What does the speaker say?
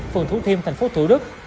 phường thủ thiêm tp thủ đức